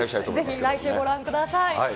ぜひ来週ご覧ください。